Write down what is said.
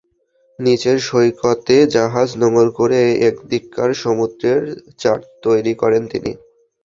নিচের সৈকতে জাহাজ নোঙর করে এদিককার সমুদ্রের চার্ট তৈরি করেন তিনি।